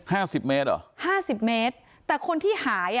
ห้าสิบเมตรหรอห้าสิบเมตรแต่คนที่หาย